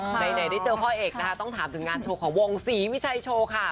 ไหนได้เจอพ่อเอกนะคะต้องถามถึงงานโชว์ของวงศรีวิชัยโชว์ค่ะ